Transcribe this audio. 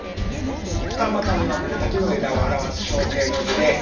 二股に分かれた木の枝を表す象形文字で。